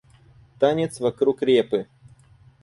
Танец вокруг репы.